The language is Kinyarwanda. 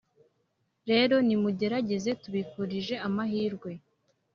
rero nimugerageze tubifurije amahirwe